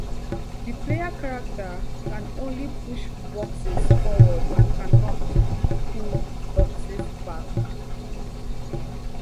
The player character can only push boxes forward and cannot pull boxes back.